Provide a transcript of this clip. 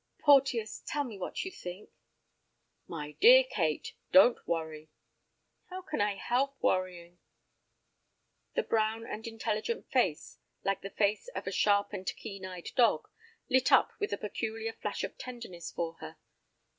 "Porteus, tell me what you think." "My dear Kate, don't worry." "How can I help worrying?" The brown and intelligent face, like the face of a sharp and keen eyed dog, lit up with a peculiar flash of tenderness for her.